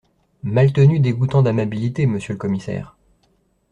Maltenu Dégoûtant d’amabilité, Monsieur le commissaire…